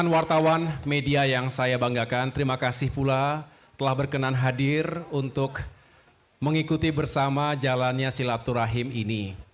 dan wartawan media yang saya banggakan terima kasih pula telah berkenan hadir untuk mengikuti bersama jalannya silaturahim ini